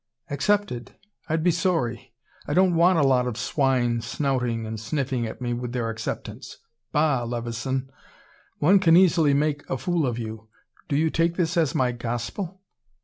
"Accepted! I'd be sorry. I don't want a lot of swine snouting and sniffing at me with their acceptance. Bah, Levison one can easily make a fool of you. Do you take this as my gospel?"